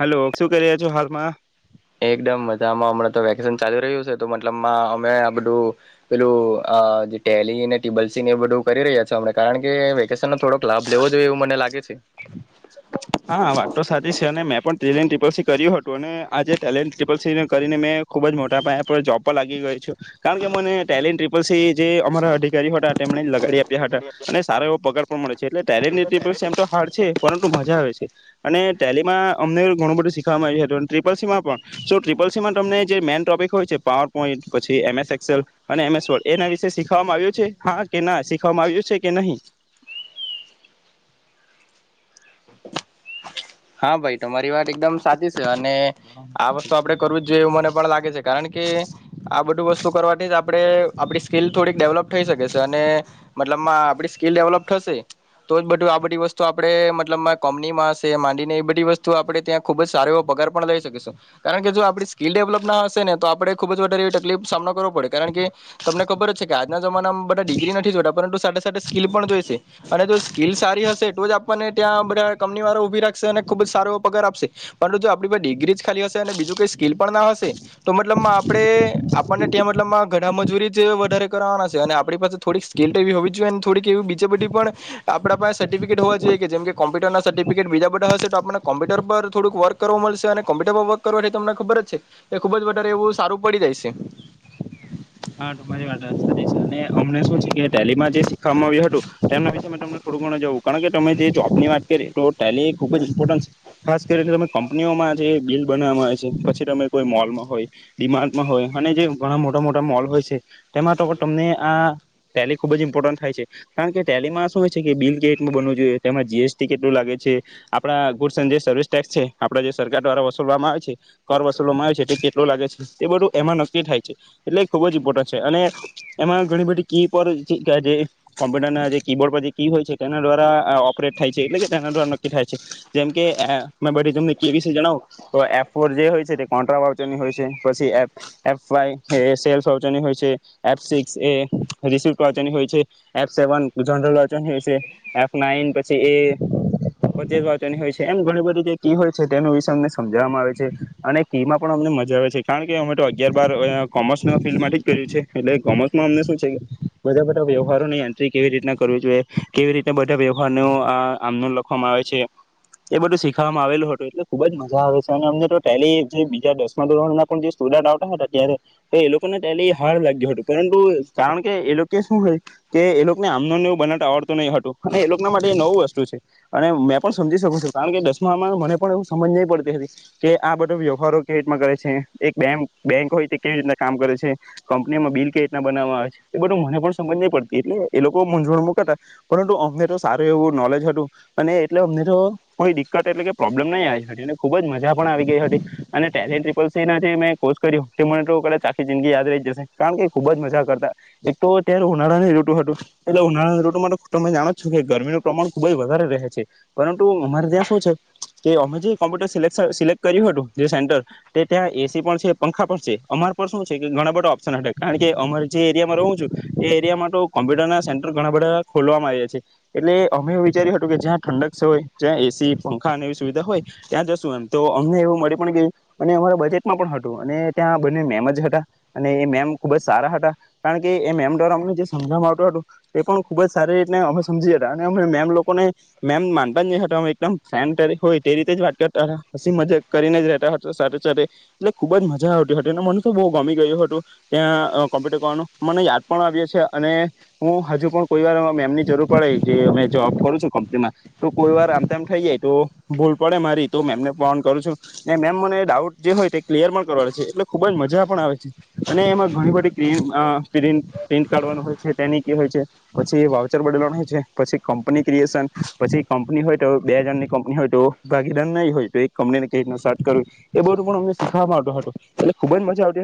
Hello શું કરી રહ્યા છો હાલમાં એકદમ મજામાં હમણાં તો વેકેશન ચાલી રહ્યું છે તો મતલબમાં અમે આ બધું પેલું ટેલીને ટીબલસી એ બધું કરી રહ્યા છે અ કારણ કે વેકેશન નો થોડોક લાભ લેવો જોઈએ એવું મને લાગે છે હા વાત તો સાચી છે અને મેં પણ ટેલે ટપલસી કર્યું હતું અને આજે ટેલેન્ટ ટપલસી કરીને મેં ખુબ જ મોટા પાય પર જોબ પર લાગી ગઈ છું કારણ કે મને ટેલે ટપલસી જે અમારા અધિકારી હઠા તેમણે લગાડી આપ્યા હતા અને સારો એવો પગાર પણ મળે છે એટલે ટેલે એમ તો હાર્ડ છે પરંતુ મજા આવે છે અને ટેલી માં અમને ઘણું બધું શીખવામાં આવ્યું હતું અન ત્રિપલ સીમા પણ સોં ત્રિપલ સીમાં તમને જે મેન ટોપિક હોય છે પાવર પોઈન્ટ પછી એમસ એક્સેલ એના એમ્સ વર્ડ એના વિશે શીખવામાં આવ્યું છે હા કે ના શીખવામાં આવ્યું છે કે નહી હા ભાઈ તમારી વાત એકદમ સાચી અને આ વસ્તુ આપડે કરવું જ જોઈએ એવું મને પણ લાગે છે કારણ કે બધું વસ્તુ કરવાથી આપણે આપણી સ્કીિલ થોડીક ડેવલપ થઈ શકે છે અને મતલબમાં આપ સ્કીિલ ડેવલપ થશે તો જ બધું આ બધી વસ્તુ આપણે મતલબમાં કોમનીમાં હશે મંદી એ બધી વસ્તુ આપણે ત્યાં ખુબ જ સારો ઓ પગાર પણ લઈ શકીશું કારણ કે જો આપણી સ્કીિલ ડેવલપ ના હશે ને તો આપણેે ખુબ વધારેવી તકલીફ સામનો કરવો પડે કારણ કે તમને ખબર જ છે કે આજના જમાનામાં બધા ડિગ્રી નથી જોડા પરંતુ સાથે સાથે સ્કિલ પણ જોઈશે અને જો સ્કીિલ સારી હશે તો જ આપણને ત્યાં બધા કંપની વાળા ઉઊભી રાખી છે અને ખુબ જ સારો એ પગાર આપશે પરંતુ જો આપણી ડિગ્રીજ ખાલી હશે અને બીજું કોઈ સ્કીિલ પણ ના હશે તો મતલબમાં આપણે આપણને ત્યાં મતલબમાં ઘણા મજૂરી જે વધારે કરવાના છે અને આપણી પાસે થોડીક સ્કિલ્ડ એવી હોવી જોઈએ અને થોડીક એવી બીજજી બધી પણ આપણા પાસે સર્ટિફિકે હોવા જોઈએ કે જેમ કેમ્પ્યુટરના સર્ટિફિકેટ બીજા તો હશે આપને કોમ્પ્યુટર પર થોડુંક વર્ક કર મળશે અને કોમ્પ્યુટર પર વર્ક કરવાથી તમને ખબર જ છે એ ખુબ જ વધારે એવું સારું પડી જાય છે હા તમારી વાત સાચી છે અને અમને શું છે કે ડેલીમાં જે [unintelligible] આવ્યું હતું એમના વિશે મે તમને થોડું ઘણુ જવું કારણ કે તમે જે જોબ ની વાત કરીએ તો ટેલી ખુબ જ ઇમ્પોર્ટન્ટ અત્યારે તમે કંપનીઓમાં જે બિલ બનાવામાં આવે છે પછી તમે કોઈ મોલમાં હોય ડિમાર્ટમાં હોય અને જે ઘણા મોટા મોટા ત્યાં મોલ હોય છે તેમાં તો તમને આ ટેલી ખુબ જ ઇમ્પોર્ટન્ટ થાય છે કારણ કે ટેલીમાં શું હોય છે કે બિલ [unintelligible] કેટલુ બનવું જોઈએ તેમાં જીએસટી કેટલું લાગે છે આપડા ગુડસ જે સર્વિસ ટેક્સ છે આપડા જે સરકાર દ્વારા વસૂલવામાં આવે છે કર વસૂલવામાં આવે છે તે કેટલું લાગે છે તે બધું એમાં નક્કી થાય છે એટલે એ ખૂબ જ ઇમ્પોર્ટન્ટ છે અને એમાં ઘણી બધી કી પર જે કોમ્પ્યુટરના જે કીબોર્ડ પર જે કી હોય છે તેના દ્વારા ઓપરેટ થાય છે એટલે કે તેના દ્વારા નક્કી થાય છે જેમ કે મેં બધી તમને કી વિશે જણાવું તો એફ ફોર જે હોય છે તે કોન્ટ્રા વાચરની હોય છે પછી એફ એફ ફાઈવ એ સેલ્સ વાંચવાની હોય છે એફ સિક્સ એ રિસ્ટ વાંચવાની હોય છે એફ સેવન જનરલ વાંચવાની હોય છે એફ નાઈન પછી એ પચેસ વાંચવાની હોય છે એમ ઘણી બધી જે કી હોય છે તેનું વિશે અમને સમજાવવામાં આવે છે અને કી માં પણ અમને મજા આવે છે કારણ કે અમે તો અગિયાર બાર કોમર્સના ફિલ્ડમાં જ કર્યું છે એટલે કોમર્સમાં અમને શું છે કે બધા બધા વ્યવહારોની એન્ટ્રી કેવી રીતના કરવી જોઈએ કેવી રીતેના બધા વ્યવહાર આમનો લખવામાં આવે છે એ બધું શીખવામાં આવેલું હતું એટલે ખુબ જ મજા આવે છે અને અમને તો ટેલી બીજા દસમા ધોરણ ના પણ જ સ્ટુડન્ટ અત્યારે એ લોકોને ટેલી હાર લાગ્યું હતું પરંતુ કારણ કે એ લોકો શું હોય કે એ લોકોને આમનો એવું બનાટ આવડતું નહીં હતો અને એ લોકોના માટે એ નવું વસ્તુ છે અને મેં પણ સમજી શકું છું કારણ કે દસ આમાં મને પણ એવ સમજ નહી પડતી હતી કે આ બધો વ્યવહારો કેવી રીતના કરે છે એક બેક બેંક હોય કેવી રીતના કામ કરે છે કંપનીમાં બિલ કઈ રીતના બનાવવા આવે છે એ બધું મને પણ સમજ નહી પડતી એટલે એ લોકો મૂંઝવણ મુકાતા પરંતુ અમને તો સારું એવું નોલેજ હતું અને એટલે અમને તો કોઈ દિકકત એટલે પ્રોબ્લેમ નહી આવી હતી અને ખુબ જ મજા પણ આવી ગઈ હતી અને ટેલે મે કોર્ કર મને તો કા જિંદગી યાદ રહી જશે કારણ કે ખુબ જ મજા કરતા એક તો ત્યાંનું ઉનાળાની ઋટુ હતું એટલે ઉનાળાની ઋટુ માટે તમે જાણો છો કે ગરમીનું પ્રમાણ ખુબ જ વધારે રહે છે પરંતુ અમારે ત્યાં શું છે કે અમે જે કોમ્પ્યુટર સિલે સિલેક્ટ કર્યું હતું જે સેન્ટર તે ત્યાં એસી પણ છે પંખા પણ છે અમાર શું છે કે ઘણા બધા ઓપ્શન હ કારણ કે અમારે જે એરિયામાં રહું છું એરિયામાં તો કોમ્પ્યુટરના સેન્ટર ઘણા બધા ખોલવામાં આવ્યા છે એટલે અમે વિચાર્યું હતું કે જ્યાં ઠંડક છે હોય જ્યાં એસી ખાવાની એવી સુવિધા હોય ત્યાં જશું એમ તો અમને એવું મળે પણ કે અને અમારા બજેટમાં પણ હતું અને ત્યાં બંને મેમત હતા અને એ મેમ ખુબ જ સારા હતા કારણ કે એ મેમડોર અમને જે સમજાવ આવતું હતું એ પણ ખુબ જ સારી રીતે અમે સમજી હતા અને અ મેમ લોકોને મેમ માનતા જ નહીં એકદમ ફેડ તરીકે હોય તે રીતે જ વાત કરતા હતા હસી મજા કરીને જ રતા હતા સાથે સાથે એટલે ખુબ જ મજા આવતી હતી મોનુ શું બહુ ગમી ગયું હતું ત્યાં કોમ્પ્યુટર કરવાનું મને યાદ પણ આવ્યો છે અને હું હજુ પણ કોઈ વાર મેમની જરૂર પડે જે મે જોબ કરું છું કમ્મપનિમાં તો કોઈ વાર આમતેમ થઈ જાય તો ભૂલ પડે મારી તો મેમને ફોન કરું છું ને મેમ મને ડાઉટ જે હોય તે ક્લિયર પણ કરવા છે એટલે ખુબ જ મજા મજા પણ આવે છે અને એમાં ઘણી બધી ક પ્રિન્ટ કાઢવાનું હોય છે તેની કે હોય છે પછી એ વાઉચર બદલવાનું હોય છે પછી કંપની ક્રિએશન પછી કંપની હોય તો બે હજારની કંપની હોય તો ભાગીદાર નહીં હોય તો એક કંપનીને કઈ રીત સાર્ટ કરવી એ બધું પણ અમને શીખવાતું હતું એટલે ખુબજ મ સમજાવતી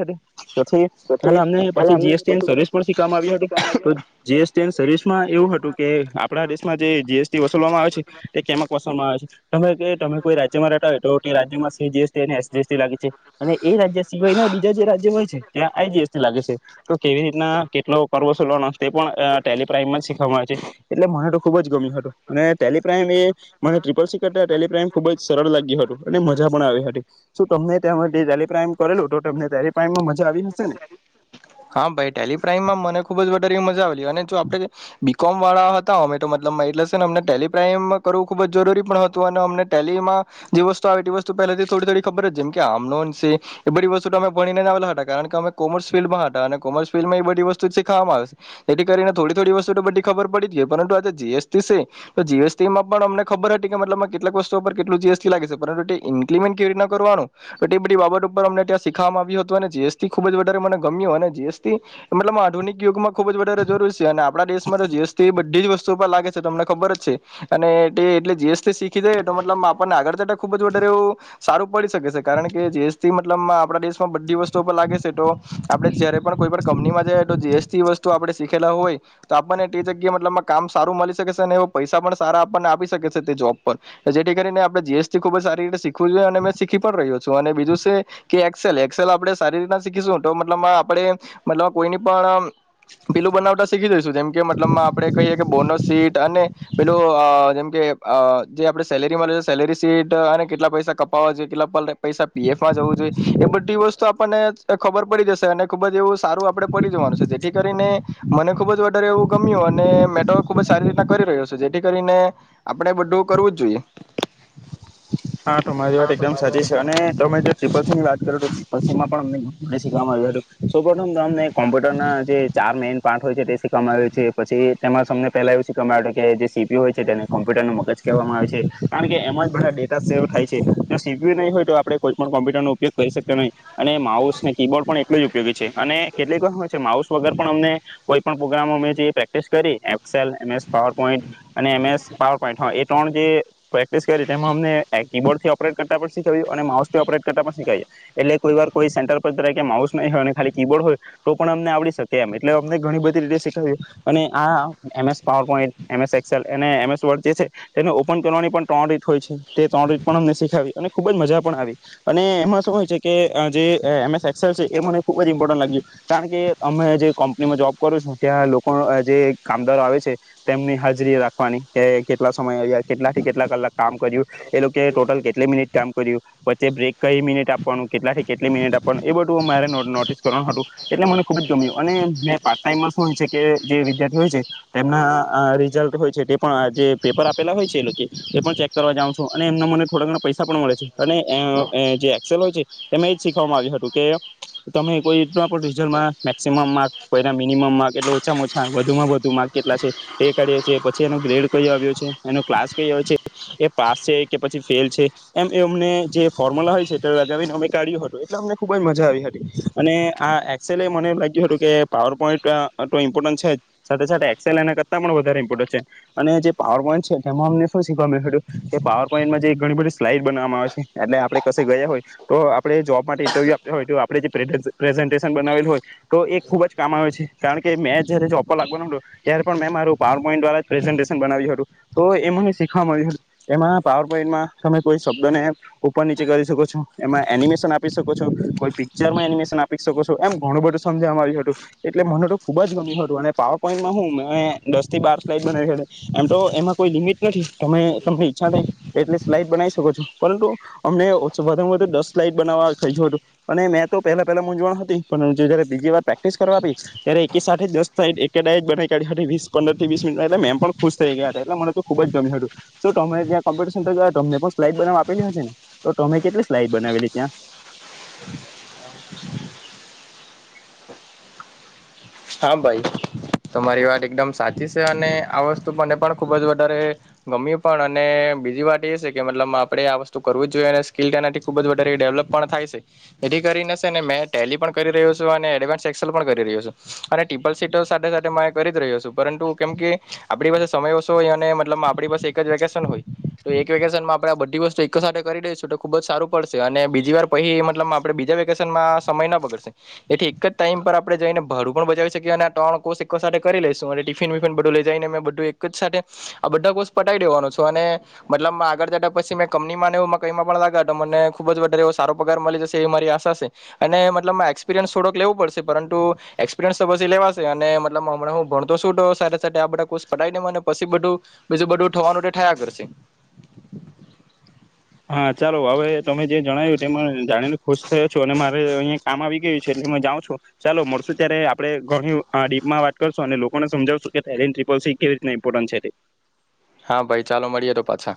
હતી પછી પહેલા અમને પછી જીએસટી સર્વિસ પણ શીખવામાં આવ્યું હતું તો જીએસટી એ સર્વિસમાં એવું હતું કે આપડા દેશમાં જે જીએસટી વસુલવામાં આવે છે તે કેમક વસવામાં આવે છે તમે કે તમે કોઈ રાજ્યમાં રહેતા હોય તો તે રાજ્યમાં જી એસ ટી ને અને એસ એસ ટીલાગે છે અને એ રાજ્ય સિવાય બી જ્યાં જ્યાં રાજ હોય છે ત્યાં આઈજીએસ લાગે છે તો કેવી રીતના કેટલો પર્વસોલ તે પણ ટેલપ્રાઈમમાં જ શીખવામાં આવે છે એટલે મને તો ખુબ જ ગમી હતું અને ટેલપ્રાાઈમ એ મને ટિપલ સ ટેલપ્રાાઈમ ખુબ જ સરળ લાગ્યું હતું અને મજા પણ આવી હતી શું તમને ત્યા જે ટેલપ્રાાઈમ કરેલોું તમને ત્યારે પાાઈમમાં મજા આવી હશે ને કરી મજા આવેલી અને જો આપણે બીકોમ વાળા હતા અમે તો મતલબમાં એટલે ને ટેલી પ્રાઈમ કરવું ખુબ જરૂરી પણ હતું અને અમને ટેલીમાં જે વસ્તુ આવે એ વસ્તુ પહેલાથી થોડી થોડી ખબર જ જેમ કે આમનોન છે એ બધી વસ્તુ તો અમે ભણીને આવેલા હતા કારણ કે અમે કોમર્સ ફિલ્ડમાં હતા તા કોમર્સ ફિલ્ડમાં એ બધી વસ્તુ જ સીખવામાં આવે છે જેથી કરીને થોડી થોડી વસ્તુ તો બધી ખબર પડીતી હોય પરંતુજે જીએસટી છે તો જીએસટીમાં પણ અમને ખબર હતી કે મતલબ કેટલાક વસ્તુ પર કેટલું જીએસટી લાગે છે પરંતુ તે ઇન્કિમેન્ટ કેવી રી ના કરવાનું તો એ બધી બાબત ઉપર અમને ત્યાં સીખવામાં આવ્યું હતું અને જીએસટી ખુબ જ વધારે મને ગમ્યું અને જીએસ ટી મતલબ આઘુનિક યુગમાં ખુબ જ વધારે જરુરી છે અને આપણા દેશમાં તો જીસટી બધી જ વસ્તુ તો પણ લાગે છે તો તમને ખબર જ છે અને એટલે જીએસથી શીખી જાય તો મતલબ આપણને આગળતા ખુબ જ વધારે એવું સારું પડી શકે છે કારણ કે જીએસ મતલબ આપડા દેશમાં બધી વસ્તુ પર લાગે છે તો આપડે જયારે કોઈ પણ કંપનીમાં જાય તો જીએસટી વસ્તુ આપણે સીખેલા હોય તો આપણને તે જગ્યાએ મતલબ કામ સારું મળી શકે છે અને એ પૈસા પણ સારા આપણને આપી શકે છે તે જોબ પર જેથી કરીને આપણે જીએસટી ખુબ જ સારી રીતે શીખવું જોઈએ અને મે શીખી પણ રહ્યો છું અને બીજું છે કે એક્સેલ એક્સેલ આપણે સારી રીતના શીખીશું તો મતલબ આપણે મતલબ કોઈની પણ પેલું બનાવટા શીખી દઈશું જેમકે મતલબ આપડે કહીય કે બોનસ સીટ અને પેલું જેમકે જે આપણે સેલેરી લ સેલેરી સીટ અને કેટલા પૈસા કપાવવા જોઈએ કેટલા પૈસા પીએફમાં જવું જોઈએ એ બધી વસ્તુ આપણને ખબર પડી જશે અને ખુબ જ એવું સારું આપડે પડી જવાનું છે જેથી કરીને મને ખુબ જ વધારે એવું ગમ્યું અને મેટો ખુબ જ સારી રીતના કરી રહ્યો છે જેથી કરીને આપણે બધું કરવું જ જોઈએ હા તમારી વાત એકદમ સચી છે અને તમે જો ટ્રિપલ સ ની વાત કરો તો ટ્રિપલસી માં પણ નહીં મે શીખવામાં આયુ હતુ પ્રથમ તમને કોમ્પ્યુટરના જે ચાર મેઇન પાર્ટ હોય છે તે શીખવામાં આવ્યું છે પછી તેમાં તમને પેલા એવું સીખવામાં આવ્યું હત કે જે સીપી હોય છે તેને કોમ્પ્યુટર નું મગજ કહેવામાં આવે છે કારણ કે એમાં જ બધ ડેટા સેવ થાય છે ન સિખીયુ ન હોય તો આપણે કોઈ પણ કોમ્પ્યુટર ન ઉપયોગ કરી શકતો નહીં અને માઉસ ને કીબોર્ડ પણ એટલે જ ઉપયોગી છે અને કેટલીક વાર છે હોય છે માઉસ વગર પણ અમને કોઈ પણ પ્રોગ્રામ અમે જે પ્રે ટેસ્ટ કરી Excel M S power point એ એમ એસ પાવર‌ પોઇન્ટ હા એ ત્રળ જે ટેસ્ટ કરી અમને એક કીબોર્ડથી ઓપરેટ કરતા પણ શીખ્યું અને માઉસ થી ઓપરેટ કરતા પણ શીખાવએ એટલે કોઈ વાર કોઈ સેન્ટર પર કે માઉસ નહીં હોય અને ખાલી કીબોર્ડ હોય તો પણ અમને આવડી શકે એમ એટલે અમનેણી બધી રીતેીખ્યું અને આ એમસ પર એમસ એલ અને એસ વર્ છે તેને ઓપન કરવાની પણ ત્રણ રીત હોય છે તે ત્રણ રીત પણ અમને શીખાવી અને ખુબ જ મજા પણ આવી અને એમાં શું હોય છે કે જે એમ એસ એસેલ છે એ મને ખૂબ જ ઇમ્પોર્ટન્ટ લાગ્યું કારણ કે અમે જે કંપનીમાં જોબ કરું છું ત્યાં લોકો જે કામદારો આવે છે તેમની હાજરી રાખવાની કે કેટલા સમય આવ્યા કેટલાથી કેટલા કલાક કામ કર્યું એ લોકો ટોટલ કેટલી મિનિટ કામ કર્યું વ્ચે બ્રેક કઈ મિનિટ આપવાનું કેટલાથી કેટલી મિનિટ આપવાનું એ બધું મારે નો નોટિસ કરવાનું હતું એટલે મને ખુબ જ ગમ્યું અને મે પાર્ટ ટાઈમમાં શું હોય છે કે જે વિદ્યાર્થી હોય છે તેમના અ રિઝલ્ટ હોય છે તે પણ જે પેપર આપેલા હોય છે એ એ પણ ચેક કરવા જાઉ છું અને એમના મને થોડા ઘણા પૈસા પણ મળે છે અને એ જે એક્સેલ હોય છે એમાં એજ શીખવામાં આવ્યું હતું કે તમે કોઈ પણ રિઝલ્ટમાં મેક્સિમમ માર્ કોના મિનિમમ માર્ક એટલે ઓછામાં ઓછા વધુમાં વધુ માર્ક કેટલા છે ટે કાઢી પછી એનો ગ્રેડ કયો આવ્યો છે એનો ક્લાસ કયો આવ છે પાસ છે કે પછી ફેલ છે એમ એ અમને જે ફોર્મ્યુલા હોય છે એ લગાવીને અમે કાઢ્યું હતું એટલે અમને ખૂબ જ મજા આવી હતી અને આ એક્સેલે એ મને એ લાગ્યું હતું કે પાવર પોઈન્ટ તો ઇમ્પોર્ટન્ટ છે જ સાથે સાથે એક્સેલ એના કરતાં પણ વધારે ઇમ્પોર્ટન્ટ છે અને જે પાવર પોઈન્ટ છે તેમાં અમને શું શીખવા મળ્યું હતું કે પાવર પોઈન્ટમાં જે ઘણી બધી સ્લાઈડ બનાવામાં આવે છે એટલે આપણે ક ગયા હોય તો આપણે જોબ માટે ઇન્ટરવ્યુ આપ્યા હોય તો આપણે જે પ્રેઝન્ટેશન બનાવેલું હોય તો એ ખૂબ જ કામ આવે છે કારણ કે કે મેં જયારે જોબ લાગવાનો હતો ત્યારે પણ મેં મારું પાવર પોઈન્ટ વારા પ્રેઝન્ટેશન બનાવ્યું હતું તો એ મને શીખવા મળ્યું હતું એમાં પાવર પોઈન્ટમાં તમે કોઈ શબ્દોને ઉપર નીચે કરી શકો છો એમાં એનિમેશન આપી શકો છો કોઈ પિક્ચરમાં એનિમેશન આપી શકો છો એમ ઘણું બધું સમજવામાં આવ્યું હતું એટલે મને તો ખૂબ જ ગમ્યું હતું અને પાવર પોઈન્ટમાં હું મે દસ થી બાર સ્લાઇટ બના હતી એમ તો એમાં કોઈ લિમિટ નથી તમે તમને ઈચ્છા થઈ એટલે સ્લાઈડ બનાવી શકો છો પરંતુ અમને વધુ વધુ દસ સ્લાઈડ બનાવવા થઈ ગયું હતું અને મેં તો પહેલા પહેલા મૂંઝવણ હતી પણ જયારે બીજી વાર પ્રેક્ટિસ કરવા આપી ત્યારે એક સાથે જ દસઈડ બનાવી કાઢી વસ પંદર થી વીસ મિનિટ એટલે મે પણ ખુશ થઈ ગયા હતા એટલે મને તો ખુબ જ ગમ્યું હતું શ ટમે ત્યા કોમ્પ સ્ઈડ બનાવા આપેલી હશે ને તો ટમે કેટલી સ્લાઈડ બનાવેલી ત્યાં [inaudible] હા ભાઈ તમારી વાત એકદમ સાચી છે અને આ વસ્તુ મને પણ ખૂબ જ વધારે ગમ્યું પણ અને બીજી વાત એ છે કે મતલબ આપણે આ વસ્તુ કરવું જ જોઈએ અને સ્કીલ એનાથી ખૂબ જ વધારે ડેવલપ પણ થાય છે એથી કરીને શેને મેં ટેલી પણ કરી રહ્યો છું અને એડવાન્સ એક્સેલ પણ કરી રહ્યો છું. અને ટ્રિપલ સી તો સાથે સાથે કરી જ રહ્યો છું પરંતુ કેમ કે આપણી પાસે સમય ઓછો હોય અને મતલબ આપણી પાસે એક જ વેકેશન હોય તો એક વેકેશનમાં આપણેે બધી વસ્તુ એક સાથે કરી દઈશું તો ખુબ જ સારું પડશે અને બીજી વાર પહી એમા મતલબ આપડે બીજા વેકેશનમાં સમય ના બગડશે એથી એક જ ટાઈમ પર આપડે જઈને ભાડું પણ બચાવી શકી અને આ ત્રણ કોર્ષ એક સાથે કરી લઈશું અને ટિફિન બીફિન બધું લઈ જઈને મેં બધું એક જ સાથે આ બધા કોર્સ પટાવી દેવાનો છે અને મતલબમા આગળ જતા પછી મે કંપની માંને એવુંમા કઈમાં પણ લાગ્યા તો મને ખુબ જ વધારે એવો સારો પગાર મળી જશે એ મારી આશા છે અને મતલબ એક્સપિરિયન્સ થોડોક લેવું પડશે પરંતુ એક્સપિરયન્સ તો પછી લેવાશે અને મતલબમા હમણાં હું ભણતો શું તો સાથે સાથે આ બધા કોષ પતાય દેમ અને પછી બધું બીજું બધું થવાનું થયા કરશે. હા ચાલો હવે તમે જે જણાવ્યું તે જાણીને ખુશ થયો છો અને મારે અહીંયા કામ આવી ગયું છે એટલે જાઉં છો ચાલો મળશુ ત્યારે આપણે ઘણી ડીપમાં વાત કરશું અને લોકોને સમજાવશું કે થેરીલ ટ્રીપલ સી કેવી રીતના ઇમ્પોર્ટન્ટ છે તે હા ભાઈ ચાલો મળીએ તો પાછા